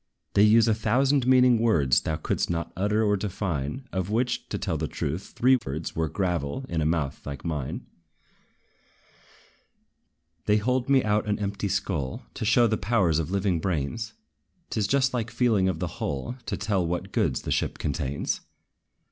They use a thousand meaning words Thou couldst not utter or define, Of which, to tell the truth, three thirds Were gravel, in a mouth like thine. They hold me out an empty skull, To show the powers of living brains: 'T is just like feeling of the hull, To tell what goods the ship contains.